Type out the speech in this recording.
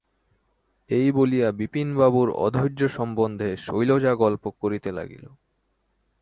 এই বলিয়া বিপিনবাবুর অধৈর্য সম্বন্ধে শৈলজা গল্প করিতে লাগিল।